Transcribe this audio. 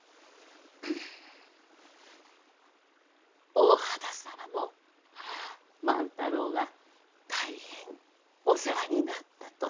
大畑様も万太郎が大変お世話になったと。